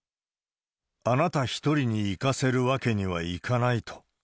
あなた一人に逝かせるわけにはいかないと。